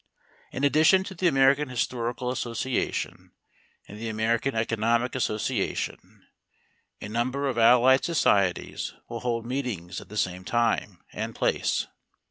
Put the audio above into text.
In addition to the American Historical Association and the American Economic Association, a number of allied societies will hold meetings at the same time and place.